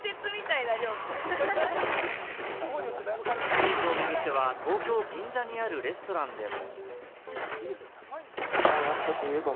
チーズを巡っては、東京・銀座にあるレストランでも。